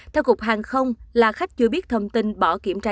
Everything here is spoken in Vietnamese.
theo cục hàng không là khách chưa biết thông tin bỏ kiểm tra